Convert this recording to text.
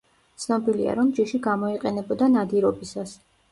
ცნობილია, რომ ჯიში გამოიყენებოდა ნადირობისას.